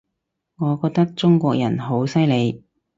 我覺得中國人好犀利